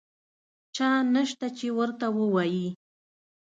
چا نشته چې ورته ووایي.